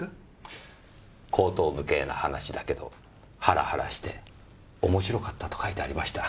荒唐無稽な話だけどハラハラして面白かったと書いてありました。